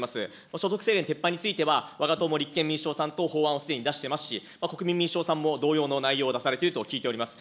所得制限撤廃については、わが党も立憲民主党さんと法案をすでに出していますし、国民民主党さんも同様の内容を出されていると聞いております。